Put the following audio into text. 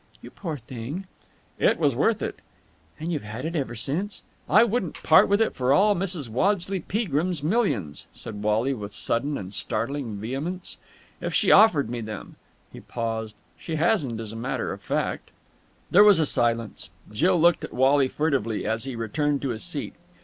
"You poor thing!" "It was worth it." "And you've had it ever since!" "I wouldn't part with it for all Mrs. Waddesleigh Peagrim's millions," said Wally with sudden and startling vehemence, "if she offered me them." He paused. "She hasn't, as a matter of fact." There was a silence. Jill looked at Wally furtively as he returned to his seat.